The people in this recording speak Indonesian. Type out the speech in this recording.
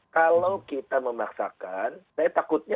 kalau kita memaksakan saya takutnya